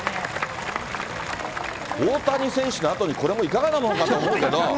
大谷選手のあとに、これもいかがなもんかと思うけど。